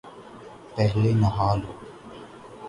پہلے نہا لو ـ